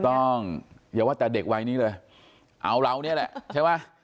ต้องอย่าว่าแต่เด็กวัยนี้เลยเอาเราเนี่ยแหละใช่ไหม